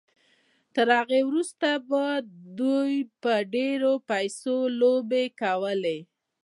تر هغه وروسته به دوی په ډېرو پيسو لوبې کوي.